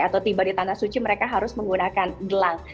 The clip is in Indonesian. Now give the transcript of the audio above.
atau tiba di tanah suci mereka harus menggunakan gelang